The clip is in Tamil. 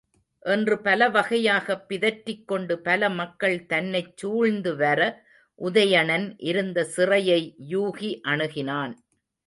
என்று பலவகையாகப் பிதற்றிக் கொண்டு பல மக்கள் தன்னைச் சூழ்ந்துவர உதயணன் இருந்த சிறையை யூகி அணுகினான்.